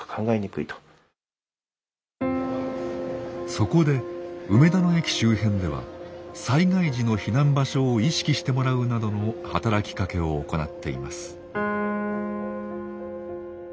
そこで梅田の駅周辺では災害時の避難場所を意識してもらうなどの働きかけを行っています。